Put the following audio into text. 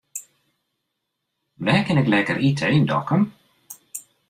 Wêr kin ik lekker ite yn Dokkum?